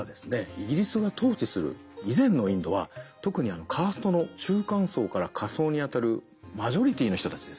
イギリスが統治する以前のインドは特にカーストの中間層から下層にあたるマジョリティーの人たちですね